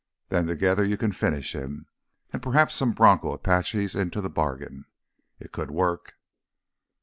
Then together you can finish him, and perhaps some bronco Apaches into the bargain. It could work."